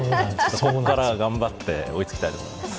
ここから頑張って追いつきたいと思います。